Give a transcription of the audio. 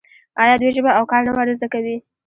آیا دوی ژبه او کار نه ور زده کوي؟